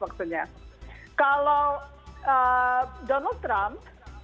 kalau donald trump